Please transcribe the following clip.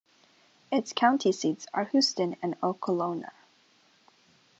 Its county seats are Houston and Okolona.